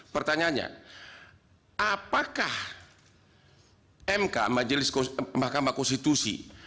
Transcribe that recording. pertanyaannya apakah mk majelis mahkamah konstitusi